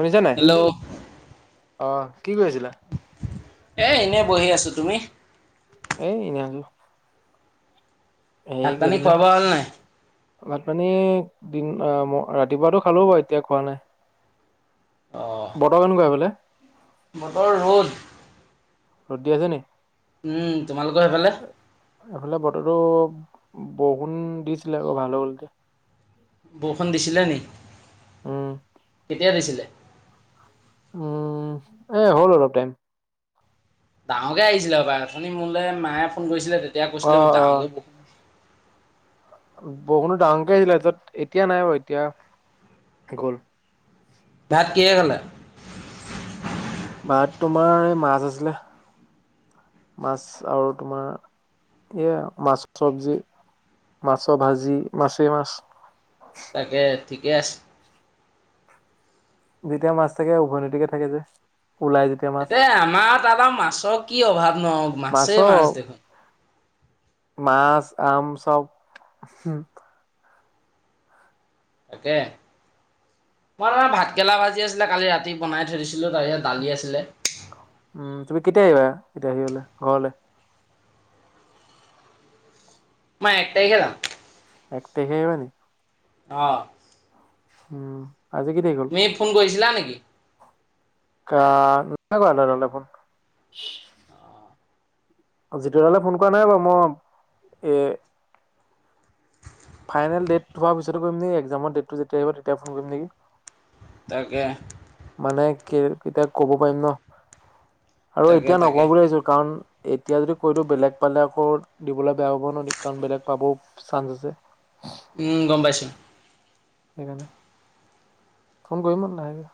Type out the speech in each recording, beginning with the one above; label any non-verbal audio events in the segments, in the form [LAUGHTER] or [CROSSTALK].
শুনিছা নাই হেল্ল' অঁ কি কৰি আছিলা এ এনেই বহি আছো তুমি এই এনেই আছো ভাত পানী খোৱা বোৱা হ'ল নাই ভাতপানী দিন ৰাতিপুৱাটো খালো বাৰু এতিয়া খোৱা নাই অ বতৰ কেনেকুৱা সেইফালে। বতৰ ৰ'দ ৰ'দ দি আছে নি? উম তোমালোকৰ সেইফালে? এইফালে বতৰটো বৰষুণ দিছিলে আকৌ ভাল হল এতিয়া। বৰষুণ দিছিলে নি? উম। কেতিয়া দিছিলে? উম, এ' হ'ল অলপ টাইম। ডাঙৰকে আহিছিলে হবাই অথনি মোলে মায়ে ফোন কৰিছিলে তেতিয়া কৈছিলে অ', ডাঙৰ বহুত। বহুনো ডাঙৰকে দিলে যত এতিয়া নাই আৰু এতিয়া গ'ল। ভাত কিহেৰে খালা? ভাত তোমাৰ এই মাছ আছিলে মাছ আৰু তোমাৰ এইয়া মাছ চব্জি। মাছ ভাজি মাছেই মাছ। তাকে ঠিকে আছে। যেতিয়া মাছ থাকে উভৈনদিকে থাকে যে। ওলাই যেতিয়া মাছ। এ আমাৰ ত' আৰু মাছৰ কি অভাৱ ন মাছেই মাছ দেখোন। মাছ -আম চব হম। তাকে। মইয় ভাতকৰেলা ভাজি আছিলে কালি ৰাতি বনাই থৈ দিছিলো তাৰ ইয়াত দালি আছিলে। উম, তুমি কেতিয়া আহিবা এতিয়া আহি পালে ঘৰলে? মই এক তাৰিখে যাম। এক তাৰিখে আহিবা নি? অহ'। উম আজি কি তাৰিখ হ'ল তুমি ফোন কৰিছিলা নেকি? [UNINTELLIGIBLE] যিতু দালৈ ফোন কৰা নাই বাৰু মই এ' ফাইনেল ডেট হোৱাৰ পিছতে কৰিম নেকি একজামৰ ডেটটো যেতিয়া আহিব তেতিয়া ফোন কৰিম নেকি। তাকে। মানে কে কেতিয়া ক'ব পাৰিম ন, 'আৰু তাকে এতিয়া তাকে নকও বুলি ভাবিছো কাৰণ এতিয়া যদি কৈ দিও বেলেগ পালে আকৌ দিবলৈ বেয়া হ'ব ন' কাৰণ বেলেগ পাবও চান্স আছে। উম, গম পাইছো। কি ক'লা ফোন কৰিব মন নাই ৰ।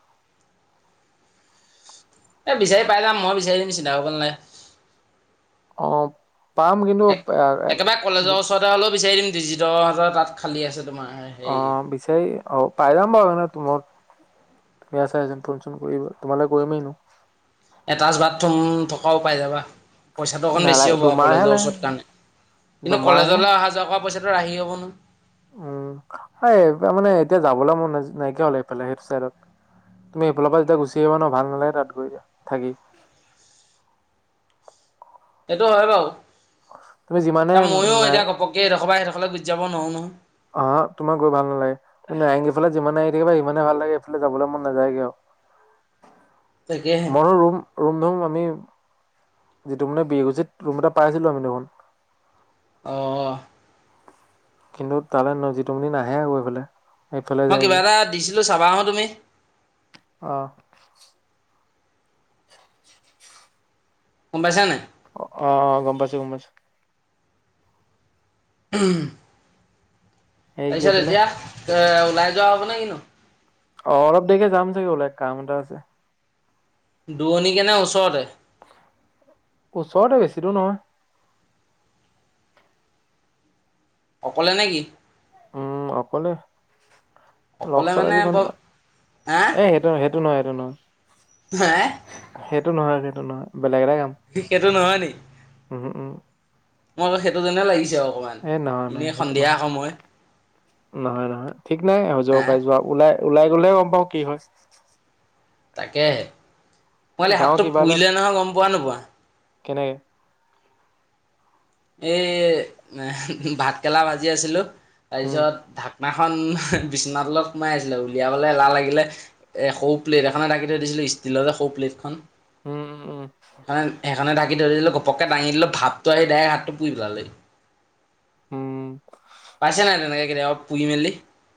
এ'বিচাৰি পাই যাম মই বিচাৰি দিম চিন্তা কৰিব নালাগে। অ', পাম একেবাৰে কিন্তু কলেজৰ ওচৰতে হ'লেও বিচাৰি দিম ডিজিটৰ হতৰ তাত খালী আছে। তোমাৰ হেৰি অহ, বিচাৰি অ' পাই যাম বাৰু [UNINTELLIGIBLE] টোমত তুমি আছা এজন ফোন চোন কৰিবা তোমালই কৰিমে এনেও। এটাচ বাথৰুম থকাও পাই যাবা পইচাটো অকণ বেছি নালাগে হ'ব আৰু দুমাহে কলেজৰ লাগে ওচৰত কাৰণে কিন্তু দুমাহে কলেজলৈ আহা- যোৱা কৰা পইচা ৰাহি হ'ব ন'। উম, হয় মানে এতিয়া যাবলৈ মোৰ নাইকিয়া হল এইফালে সেইটো চাইডত। তুমি এইফালৰ পৰা যেতিয়া গুচি আহিবা ন' ভাল নালাগে তাত গৈ দিয়া থাকি। সেইটো হয় বাৰু তুমি যিমানে এ' ময়ো নাই এতিয়া ঘপকে এডখৰ পা এডখৰ অকলে গুজ যাব নোৱাৰো নহয়। অ-হ- হ তোমাৰ গৈ ভাল নালাগে। তুমি নাৰেঙ্গী ফালে যিমানে আহি থাকিবা সিমানে ভাল লাগে এইফালে যাবলৈ মন নাযায়গে তাকেহে আৰু। মই ৰুম - ৰুম ধুম আমি যিটো মানে বিৰকুছিত ৰুম এটা পাইছিলো আমি দেখোন অহ কিন্তু, তালৈ ন'জিতুমণি নাহে আৰু এইফালে। সেই ফালে মই যাই কিবা গে এটা দিছিলোঁ চাবা আহোঁ তুমি অহ। গম পাইছা নে নাই? অ অ গম পাইছো গম পাইছো। উম হেৰি কি তাৰছত আছিলে এতিয়া এহ ওলাই যোৱা হব নে কিনো অহ, অলপ দেৰিকে যাম চাগে উলাই কাম এটা আছে। দুৰণিকে নে ওচৰতে? ওচৰতে বেছি দূৰ নহয়। অকলে নেকি? উম, অকলে। অকলে লগ- চগ মানে আজি ইমান বৰ হা এ সেইটো- সেইটো নহয় -সেইটো নহয়। [UNINTELLIGIBLE] সেইটো নহয় -সেইটো নহয়। সি -সেইটো নহয় নি? উহু-উম। মই আকৌ সেইটো যেনে লাগিছে অকমান নহয় নহয় এনেই সেইটো সন্ধিয়া নহয় সময়। নহয় - নহয় ঠিক নাই হৈ যাব হা পাৰে যোৱা ওলাই - ওলাই গলেহে গম পাও কি হয়? তাকে মইলে যাওঁ হাতটো কিবা এটাত পুইলে নহয় গম পোৱা নোপোৱা। কেনেকে? এই ভাতকেৰেলা ভাজি আছিলোঁ উম তাৰছত মাখন বিছনাৰ তলত সোমাই আছিলে উলিয়াবলৈ এলাহ লাগিলে এ'সৰু প্লেট এখনে ঢাকি থৈ দিছি ষ্টীলৰে শ'প লিফখন। উম উম উম হয় সেইখনে ঢাকি ধৰি দিলো ঘপককে দাঙি দিলো ভাপটো আহি ডাইৰেক হাত পুহিবালে উম পাইছে নাই তেনেকে পুহি মেলি।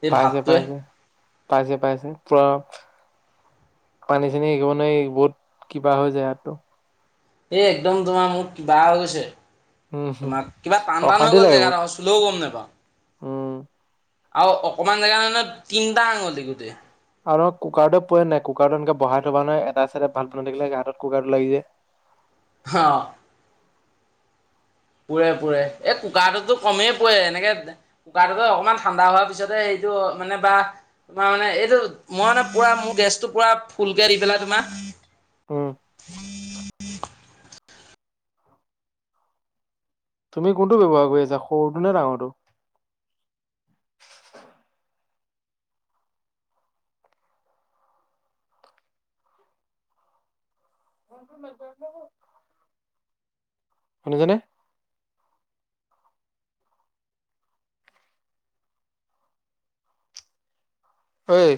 এই পাইছে ভাপটোৱে পাইছে পাইছে পাইছে পৰা পানী চানী একিব নোৱাৰি বহুত কিবা হৈ যায় হাতটো। এই একদম তোমাৰ মোক কিবা হৈ গৈছে। উম হম তোমাৰ কিবা টান টান হৈ অশান্তি গ'ল লাগে বহুত জেগাত চুলেও গম নেপাও। উম আৰু অকমান জেগা মানে তিনটা আঙুলি গোটেই। আৰু কুকাৰটো পোৱে নাই, কুকাৰটো এনেকে বহাই থবা নহয় এটা চাইডে ভাত বনিই থাকিলে হাতত কুকাৰটো লাগি যায়। [INAUDIBLE] হ পুৰে-পুৰে। এই কুকাৰটোতো কমেই পুৰে এনেকে কুকাৰটোতো অকণমান ঠাণ্ডা হোৱাৰ পিছতে স টো মানে বা তোমাৰ মানে এইটো মই মানে পুৰা মোৰ গেছটো পুৰা ফুলকে দি পেলাই তোমাৰ উম, [UNINTELLIGIBLE] তুমি কোনটো বব্যৱহাৰ কৰি আছা সৰুটো নে ডাঙৰটো? [UNINTELLIGIBLE] শুনিছানে? অই